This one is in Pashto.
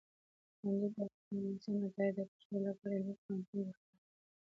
کانديد اکاډميسن عطايي د پښتو له پاره علمي قاموسونه جوړ کړي دي.